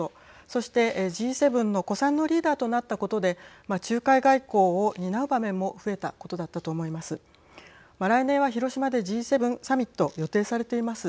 そして、Ｇ７の古参のリーダーとなったことで仲介外交を担う場面も増えたことだったと思います。